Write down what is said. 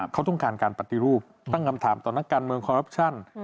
เขาต้องการการปฏิรูปตั้งคำถามต่อนักการเมืองคอรัปชั่น